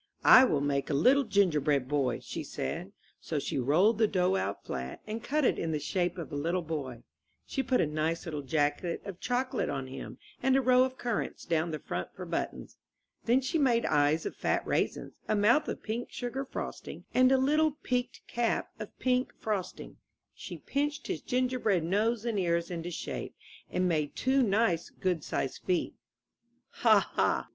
I will make a little gingerbread boy," she said. So she rolled the dough out flat, and cut it in the shape of a little boy. She put a nice little jacket of chocolate on him, arid a row of currants down the front for buttons. Then she made eyes of fat raisins, a mouth of pink sugar frosting, and a little peaked cap of pink frosting. She pinched his gingerbread nose and ears into shape, and made two nice, good sized feet. 121 MY BOOK HOUSE '*Hah! Hah!